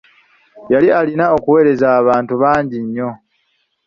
Yali alina okuwereza abantu bangi nnyo.